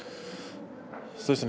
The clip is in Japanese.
そうですね